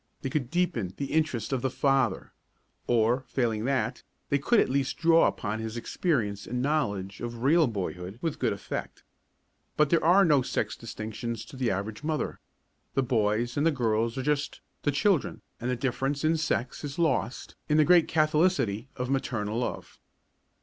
They could deepen the interest of the father or, failing that, they could at the least draw upon his experience and knowledge of real boyhood with good effect. But there are no sex distinctions to the average mother. The boys and the girls are just "the children" and the difference of sex is lost in the great catholicity of maternal love.